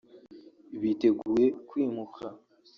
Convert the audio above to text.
biteguye kwimuka